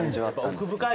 奥深いね。